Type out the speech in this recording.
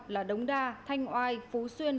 là đống đa thanh oai phú xuyên